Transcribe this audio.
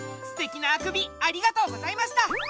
すてきなあくびありがとうございました！